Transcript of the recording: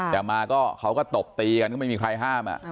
แต่มาก็เขาก็ตบตีกันก็ไม่มีใครห้าม